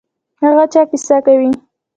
هغه چا کیسه کوي.